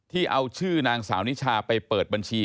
เอาชื่อนางสาวนิชาไปเปิดบัญชี